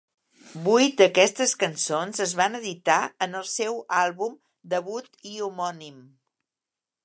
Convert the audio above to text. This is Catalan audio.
Vuit d'aquestes cançons es van editar en el seu àlbum debut i homònim.